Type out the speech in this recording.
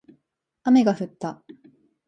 雨が降った